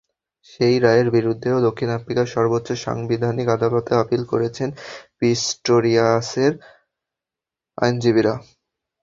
সেই রায়ের বিরুদ্ধেও দক্ষিণ আফ্রিকার সর্বোচ্চ সাংবিধানিক আদালতে আপিল করেছেন পিস্টোরিয়াসের আইনজীবীরা।